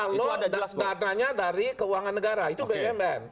bumn kalau dananya dari keuangan negara itu bumn